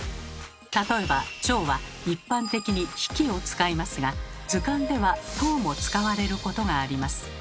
例えばチョウは一般的に「匹」を使いますが図鑑では「頭」も使われることがあります。